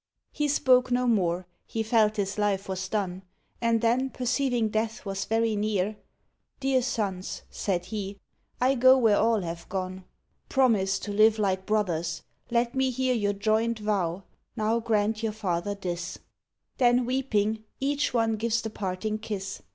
He spoke no more, he felt his life was done; And then, perceiving death was very near, "Dear sons," said he, "I go where all have gone; Promise to live like brothers; let me hear Your joint vow now, grant your father this:" Then, weeping, each one gives the parting kiss.